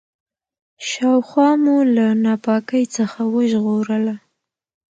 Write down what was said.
شاوخوا مو له ناپاکۍ څخه وژغورله.